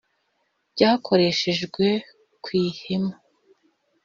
byakoreshejwe ku ihema